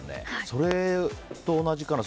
それと同じかな。